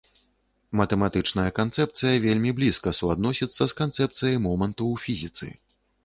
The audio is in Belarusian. Матэматычная канцэпцыя вельмі блізка суадносіцца з канцэпцыяй моманту ў фізіцы.